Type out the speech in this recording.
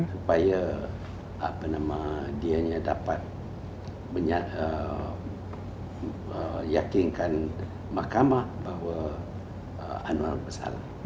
supaya dianya dapat meyakinkan mahkamah bahwa anwar bersalah